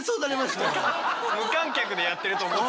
無観客でやってると思った。